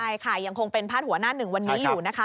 ใช่ค่ะยังคงเป็นพาดหัวหน้าหนึ่งวันนี้อยู่นะคะ